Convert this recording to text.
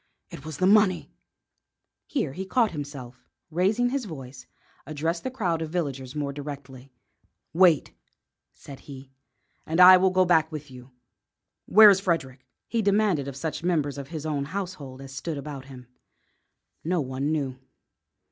It was the money " Here he caught himself up, and, raising his voice, addressed the crowd of villagers more directly. "Wait," said he, "and I will go back with you. Where is Frederick?" he demanded of such members of his own household as stood about him. No one knew.